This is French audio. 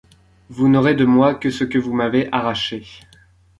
Vous n’aurez de moi que ce que vous m’avez arraché.